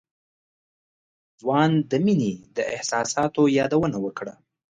ځوان د مينې د احساساتو يادونه وکړه.